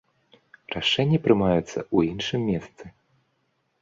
Рашэнні прымаюцца ў іншым месцы.